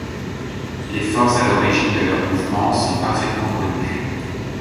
Les forces à l’origine de leurs mouvements sont parfaitement connues.